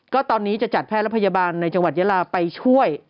ก็ตอนนี้จะจัดแพทย์และพยาบาลในจังหวัดยาลาไปช่วย